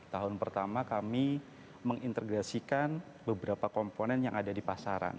tahun pertama kami mengintegrasikan beberapa komponen yang ada di pasaran